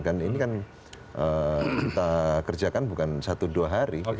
kan ini kan kita kerjakan bukan satu dua hari